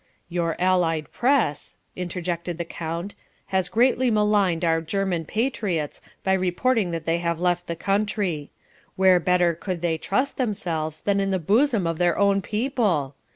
"Your Allied press," interjected the count, "has greatly maligned our German patriots by reporting that they have left the country. Where better could they trust themselves than in the bosom of their own people?